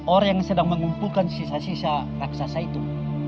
orang yang sedang mengumpulkan sisa sisa rasa asa itu